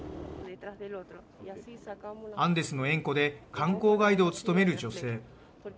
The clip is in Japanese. アンデスの塩湖で観光ガイドを務める女性。